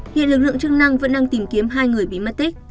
hiện lực lượng chức năng vẫn đang tìm kiếm hai người bị mất tích